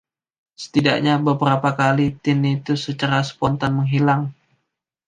Setidaknya beberapa kali, tinnitus secara spontan menghilang.